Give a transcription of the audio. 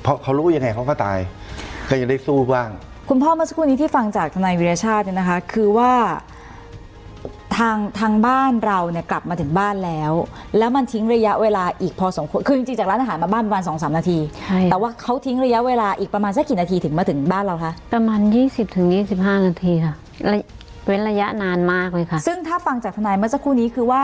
เพราะเขารู้ยังไงเขาก็ตายเขายังได้สู้บ้างคุณพ่อเมื่อสักครู่นี้ที่ฟังจากธนัยวิทยาชาตินะคะคือว่าทางทางบ้านเรากลับมาถึงบ้านแล้วแล้วมันทิ้งระยะเวลาอีกพอสองคนคือจริงจริงจากร้านอาหารมาบ้านประมาณสองสามนาทีใช่แต่ว่าเขาทิ้งระยะเวลาอีกประมาณสักกี่นาทีถึงมาถึงบ้านเราคะประมาณยี่สิบถึงยี่สิ